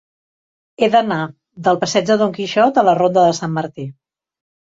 He d'anar del passeig de Don Quixot a la ronda de Sant Martí.